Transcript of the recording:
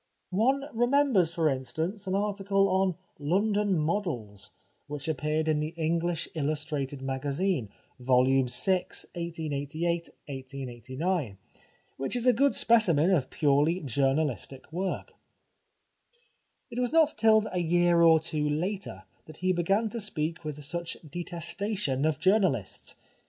One remembers, for instance, an article on " London Models " which appeared in The English Illustrated Magazine (vol. vi. i888 i88g), which is a good specimen of purely journalistic work. It was not till a year or two later that he began to speak with such detestation of journa lists.